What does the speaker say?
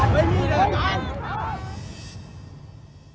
เผาแล้ว